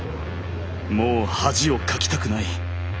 「もう恥をかきたくない」。